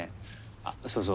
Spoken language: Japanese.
あっそうそう